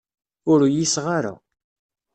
Ur uyiseɣ ara.